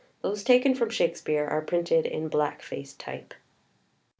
Those taken from Shakespeare are printed in black faced type.